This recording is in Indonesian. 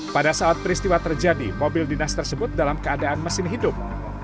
pada saat peristiwa terjadi mobil dinas tersebut dalam keadaan mesin hidup